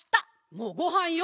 もうごはんよ。